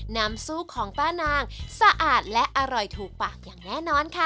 น้ำซู่ของป้านางสะอาดและอร่อยถูกปากอย่างแน่นอนค่ะ